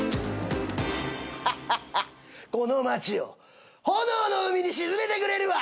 この街を炎の海に沈めてくれるわ。